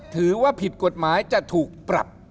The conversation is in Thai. ถือว่าผิดกฎหมายจะถูกปรับ